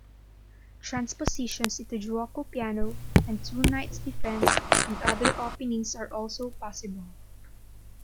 Transpositions into Giuoco Piano and Two Knights Defense and other openings are also possible.